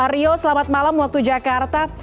rio selamat malam waktu jakarta